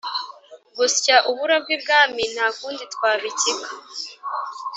gusya uburo bw’ibwami nta kundi twabikika!”